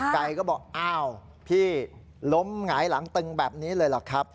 ไก่ก็บอกอ้าวพี่ล้มหงายหลังตึงแบบนี้เลยล่ะครับ